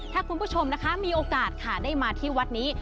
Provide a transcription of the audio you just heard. ถ้าคุณผู้ชมนะคะมีโอกาสค่ะได้มาที่วัดนี้